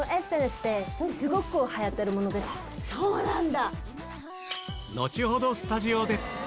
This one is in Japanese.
そうなんだ！